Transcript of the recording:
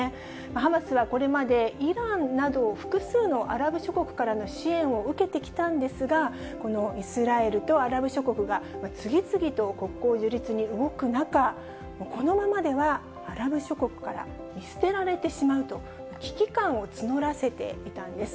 ハマスはこれまで、イランなど複数のアラブ諸国からの支援を受けてきたんですが、このイスラエルとアラブ諸国が次々と国交樹立に動く中、このままではアラブ諸国から見捨てられてしまうと危機感を募らせていたんです。